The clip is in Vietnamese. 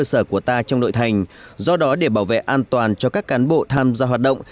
trong thời kỳ này các cơ sở của ta trong nội thành do đó để bảo vệ an toàn cho các cán bộ tham gia hoạt động